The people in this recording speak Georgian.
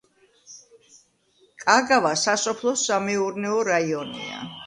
კაგავა სასოფლო-სამეურნეო რაიონია.